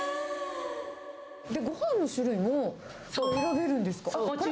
ごはんの種類も選べるんですもち